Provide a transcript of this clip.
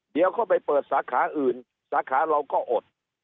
เดี๋ยวเขาไปเปิดสาขาอื่นสาขาเราก็อด